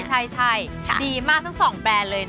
ใช่ดีมากทั้ง๒แบรนด์เลยนะ